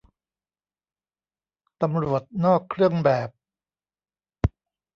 ตำรวจนอกเครื่องแบบ